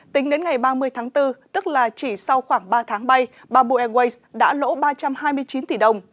tính đến ngày ba mươi tháng bốn tức là chỉ sau khoảng ba tháng bay bamboo airways đã lỗ ba trăm hai mươi chín tỷ đồng